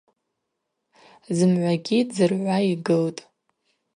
Зымгӏвагьи дзыргӏвуа йгылтӏ.